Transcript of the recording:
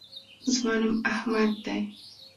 زما نوم احمد دی